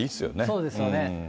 そうですよね。